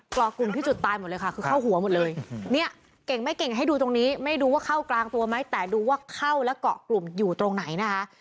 เกาะกลุ่มที่จุดตายหมดเลยค่ะคือเข้าหัวหมดเลยเนี่ยเก่งไม่เก่งให้ดูตรงนี้ไม่รู้ว่าเข้ากลางตัวไหมแต่ดูว่าเข้าและเกาะกลุ่มอยู่ตรงไหนนะคะ